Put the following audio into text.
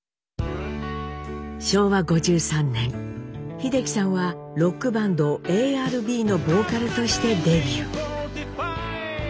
昭和５３年秀樹さんはロックバンドＡＲＢのボーカルとしてデビュー。